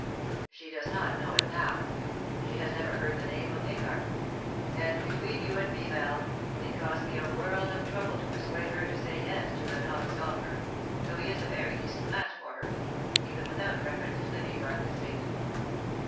"She does not know it now. She has never heard the name of Haygarth. And, between you and me, Val, it cost me a world of trouble to persuade her to say yes to Lenoble's offer, though he is a very decent match for her, even without reference to the Haygarth estate."